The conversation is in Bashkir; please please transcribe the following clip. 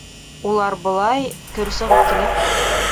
Улар, былай, көр сығып килә...